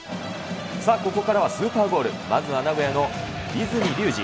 さあ、ここからはスーパーゴール、まずは名古屋の和泉竜司。